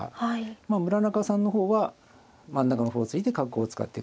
まあ村中さんの方は真ん中の歩を突いて角を使ってく。